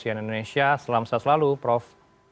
cnn indonesia selamat siang selalu prof